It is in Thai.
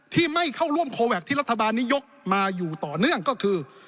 ที่ไม่เข้าร่วมโคแวคที่รัฐบาลนี้ยกมาอยู่ต่อเนื่องก็คือ